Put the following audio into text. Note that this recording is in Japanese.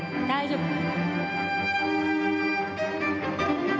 大丈夫。